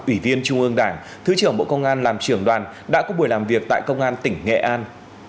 ủy viên trung ương đảng thứ trưởng bộ công an làm trưởng đoàn đã có buổi làm việc tại công an tỉnh nghệ an